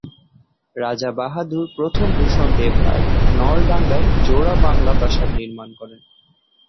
রাজা বাহাদুর প্রথম ভূষণ দেবরায় নলডাঙ্গায় জোড়া বাংলা প্রাসাদ নির্মাণ করেন।